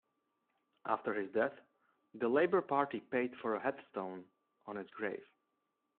After his death, the Labour Party paid for a headstone on his grave.